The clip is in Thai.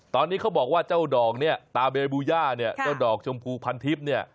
ตอนนี้เขาบอกว่าเจ้าดอกเนี่ยตาเบบูย่าเนี่ยเจ้าดอกชมพูพันทิพย์เนี่ย